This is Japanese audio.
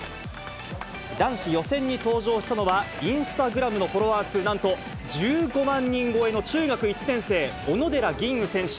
男子予選に登場したのは、インスタグラムのフォロワー数、なんと１５万人超えの中学１年生、小野寺吟雲選手。